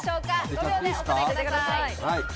５秒でお答えください。